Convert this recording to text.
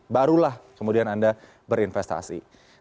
barulah kemudian anda berinvestasi